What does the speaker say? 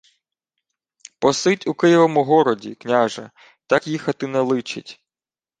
— Посидь у Києвому городі, княже, так їхати не личить.